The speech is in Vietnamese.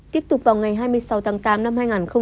tiếp tục vào ngày hai mươi sáu tháng tám năm hai nghìn hai mươi